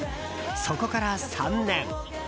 そこから３年。